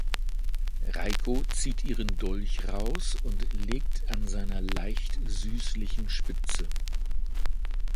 Reiko zieht ihren Dolch raus und legt an seiner „leicht süßlichen“ Spitze.